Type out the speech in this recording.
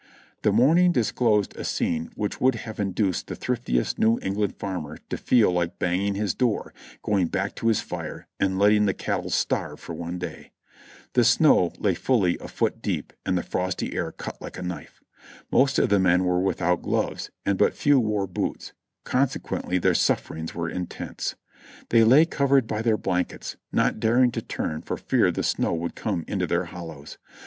The morning disclosed a scene which would have induced the thriftiest New England farmer to feel like banging his door, going back to his fire and letting the cattle starve for one day. The snow lay fully a foot deep and the frosty air cut like a knife. Most of the men were without gloves and but few wore boots, consequently their sufferings were intense. They lay cov ered by their blankets, not daring to turn for fear the snow would come into their hollows.